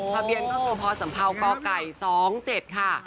พระเบียนข้อมูลพอสัมภาวณ์กไก่๒๗ค่ะ